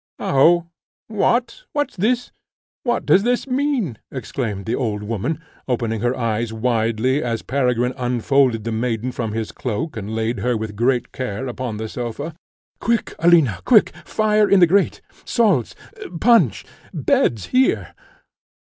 "How! what! what's this? what does this mean?" exclaimed the old woman, opening her eyes widely as Peregrine unfolded the maiden from his cloak, and laid her with great care upon the sofa. "Quick, Alina, quick! Fire in the grate! salts! punch! beds here!"